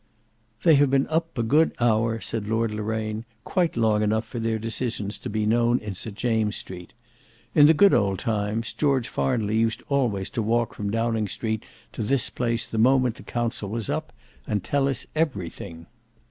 "They have been up a good hour," said Lord Loraine, "quite long enough for their decisions to be known in St James's Street. In the good old times, George Farnley used always to walk from Downing Street to this place the moment the council was up and tell us everything."